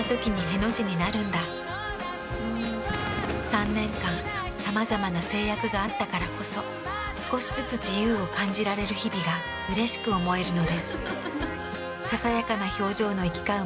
３年間さまざまな制約があったからこそ少しずつ自由を感じられる日々がうれしく思えるのです。